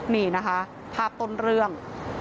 นี่นะคะภาพต้นเรื่อง